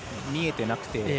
見えてなくて。